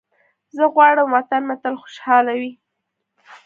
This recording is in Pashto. زه غواړم وطن مې تل خوشحاله وي.